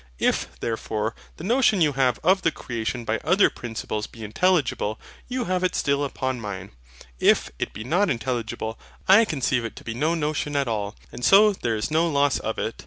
If, therefore, the notion you have of the creation by other Principles be intelligible, you have it still upon mine; if it be not intelligible, I conceive it to be no notion at all; and so there is no loss of it.